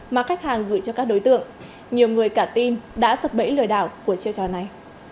mà khách hàng gửi cho các đối tượng nhiều người cả team đã sập bẫy lời đảo của chiêu trò này